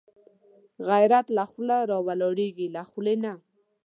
غیرت له زړه راولاړېږي، له خولې نه